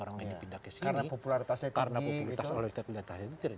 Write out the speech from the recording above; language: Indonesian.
karena populartasnya tinggi